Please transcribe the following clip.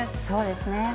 そうですね。